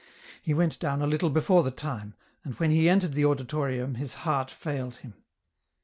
He went down a little before the time, and when he entered the auditorium his heart failed him.